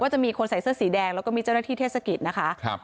จะมีคนใส่เสื้อสีแดงแล้วก็มีเจ้าหน้าที่เทศกิจนะคะ